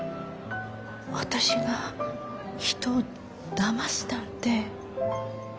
私が人をだますなんて。